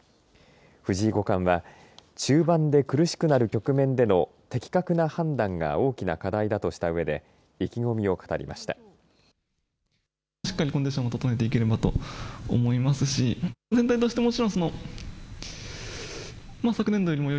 藤井五冠は中盤で苦しくなる局面での的確な判断が大きな課題だとしたうえで意気込みを語りました。